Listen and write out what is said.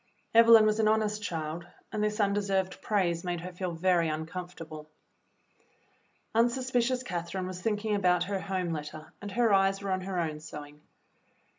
Evelyn was an honest child, and this undeserved praise made her feel very uncomfortable. Unsuspicious Catherine was thinking about her home letter, and her eyes were on her own sewing.